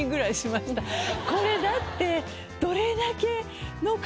これだって。